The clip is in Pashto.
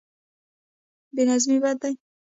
بې نظمي بد دی.